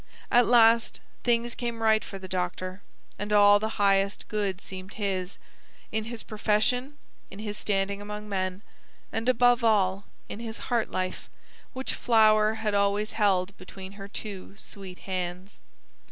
At last things came right for the doctor, and all the highest good seemed his; in his profession; in his standing among men; and, above all, in his heart life, which Flower had always held between her two sweet hands.